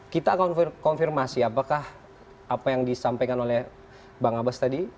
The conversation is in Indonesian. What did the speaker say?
kita akan konfirmasi apakah apa yang disampaikan oleh bang abbas tadi